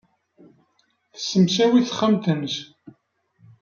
Tessemsawi taxxamt-nnes.